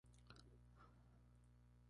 Así terminaba la vida de la república.